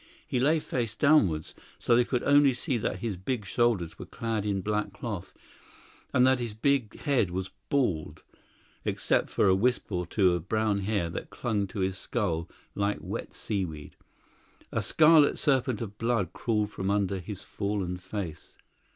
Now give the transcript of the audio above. He lay face downwards, so they could only see that his big shoulders were clad in black cloth, and that his big head was bald, except for a wisp or two of brown hair that clung to his skull like wet seaweed. A scarlet serpent of blood crawled from under his fallen face.